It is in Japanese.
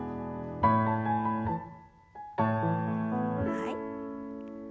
はい。